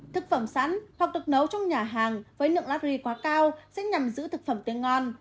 thực phẩm sẵn hoặc được nấu trong nhà hàng với lượng nát ri quá cao sẽ nhằm giữ thực phẩm tương ngon